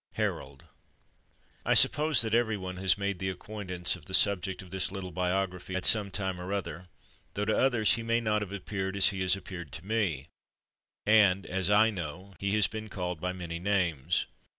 HAROLD I SUPPOSE that every one has made the acquaintance of the subject of this little biography at some time or other, though to others he may not have appeared as he has appeared to me, and, as I know, he has been called by many names.